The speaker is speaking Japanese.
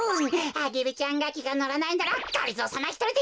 アゲルちゃんがきがのらないならがりぞーさまひとりでやるってか！